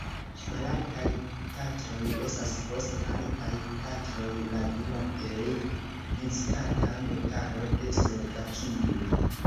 Malaltaj Tatroj estas post Altaj Tatroj la dua plej vizitata montaro de Slovakio.